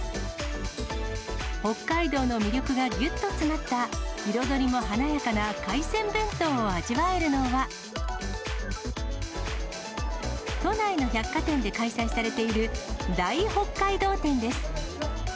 北海道の魅力がぎゅっと詰まった、彩りも華やかな海鮮弁当を味わえるのは、都内の百貨店で開催されている大北海道展です。